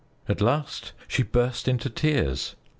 At last she burst into tears.